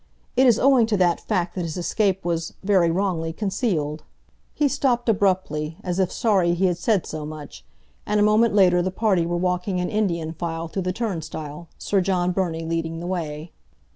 It is owing to that fact that his escape was, very wrongly, concealed—" He stopped abruptly, as if sorry he had said so much, and a moment later the party were walking in Indian file through the turnstile, Sir John Burney leading the way.